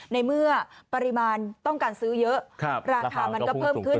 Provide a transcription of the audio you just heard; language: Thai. ในเมื่อปริมาณต้องการซื้อเยอะราคามันก็เพิ่มขึ้น